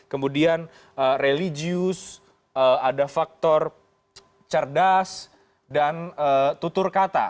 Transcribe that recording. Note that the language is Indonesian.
kemudian religius ada faktor cerdas dan tutur kata